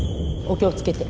お気を付けて。